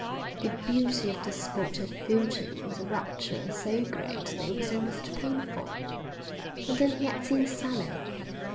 The beauty of the spot had filled him with a rapture so great that it was almost painful, and then he had seen Sally.